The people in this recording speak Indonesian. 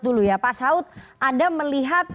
dulu ya pak saud anda melihat